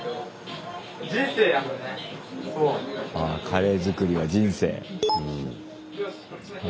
カレー作りは人生。